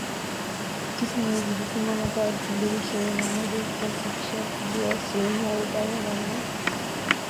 Tisa mwezi Disemba mwaka wa elfu mbili ishirini na moja, ikiwasilisha ukuaji wa asilimia arobaini na nne.